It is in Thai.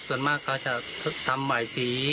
ส่วนมากเขาจะทำบ่ายสี